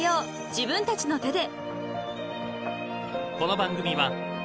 自分たちの手で］